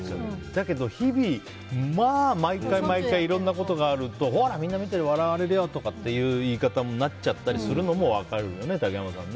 だけど日々まあ毎回いろんなことがあるとほら、みんな見てる笑われるよっていう言い方になっちゃうのも分かるよね竹山さん。